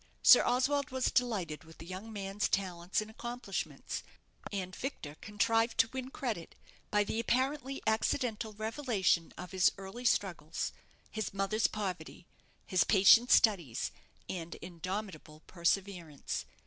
Sir Oswald was delighted with the young man's talents and accomplishments; and Victor contrived to win credit by the apparently accidental revelation of his early struggles, his mother's poverty, his patient studies, and indomitable perseverance.